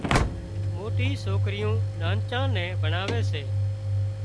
موٽِي سوڪريون نانچان نين ڀڻاوي سي